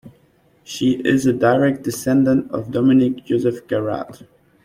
She is a direct descendant of Dominique Joseph Garat.